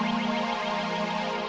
eh gue juga tau